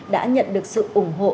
đã nhận được sự ủng hộ